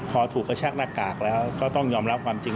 พอถูกกระชากหน้ากากแล้วก็ต้องยอมรับความจริง